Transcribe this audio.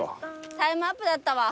タイムアップだったわ。